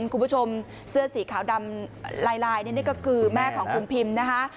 คุณผู้ชมเสื้อสีขาวดำลายนี่ก็คือแม่ของคุณพิมนะคะ